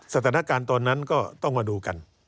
สถานการณ์ตอนนั้นก็ต้องมาดูกัน